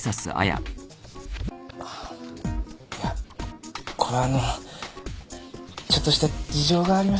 あっいやこれあのちょっとした事情がありまして。